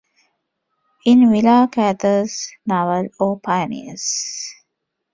In Willa Cather's novel O Pioneers!